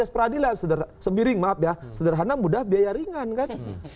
peradilan sederhana mudah biaya ringan kan